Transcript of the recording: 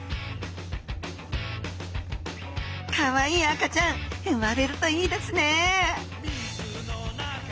かわいい赤ちゃん産まれるといいですね！